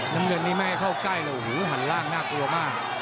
น้ำเงินนี้ไม่ให้เข้าใกล้แล้วหูหันล่างน่ากลัวมาก